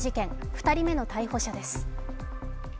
２人目の逮捕者です。